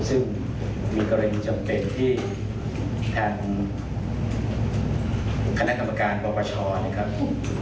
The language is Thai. ซึ่งมีกรณีจำเป็นที่ทางคณะกรรมการปปชนะครับ